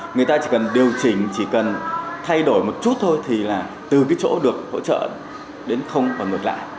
người ta chỉ cần điều chỉnh chỉ cần thay đổi một chút thôi thì là từ cái chỗ được hỗ trợ đến không và ngược lại